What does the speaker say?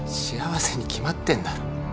幸せに決まってんだろ」